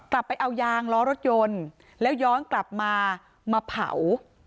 ไปเอายางล้อรถยนต์แล้วย้อนกลับมามาเผา